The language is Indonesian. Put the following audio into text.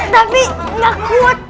tapi gak kuat kak